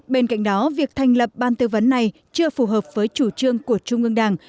bên cạnh đó việc thành lập ban tư vấn này chưa phù hợp với chủ trương của trung ương đảng